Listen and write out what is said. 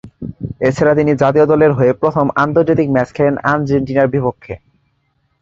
এছাড়া তিনি জাতীয় দলের হয়ে প্রথম আন্তর্জাতিক ম্যাচ খেলেন আর্জেন্টিনার বিপক্ষে।